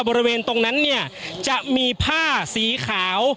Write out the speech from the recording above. บริเวณตรงนั้นเนี่ยจะมีผ้าสีขาว